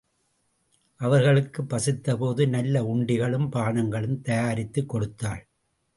அவர்களுக்குப் பசித்தபோது நல்ல உண்டிகளும், பானங்களும் தயாரித்துக் கொடுத்தாள்.